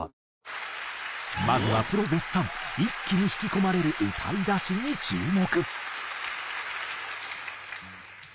まずはプロ絶賛一気に引き込まれる歌い出しに注目。